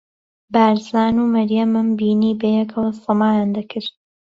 بارزان و مەریەمم بینی بەیەکەوە سەمایان دەکرد.